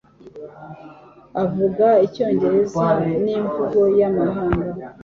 Avuga Icyongereza n'imvugo y'amahanga.